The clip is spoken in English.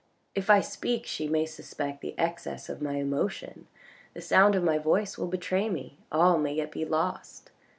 " If I speak she may suspect the excess of my emotion, the sound of my voice will betray me. All may yet be lost.